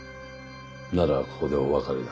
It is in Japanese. ならここでお別れだ。